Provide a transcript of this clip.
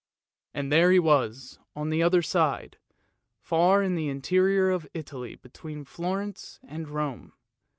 And there he was on the other side, far in the interior of Italy between Florence and Rome.